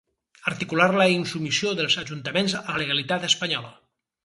Articular la insubmissió dels ajuntaments a la legalitat espanyola.